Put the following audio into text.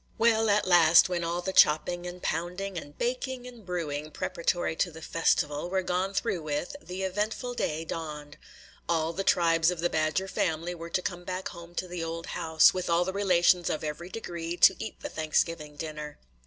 Well, at last, when all the chopping and pounding and baking and brewing, preparatory to the festival, were gone through with, the eventful day dawned. All the tribes of the Badger family were to come back home to the old house, with all the relations of every degree, to eat the Thanksgiving dinner.